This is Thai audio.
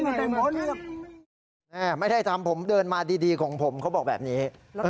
ไม่ได้ทำผมเดินมาดีของผมเขาบอกแบบนี้